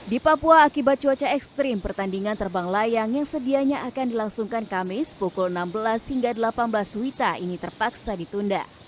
di papua akibat cuaca ekstrim pertandingan terbang layang yang sedianya akan dilangsungkan kamis pukul enam belas hingga delapan belas wita ini terpaksa ditunda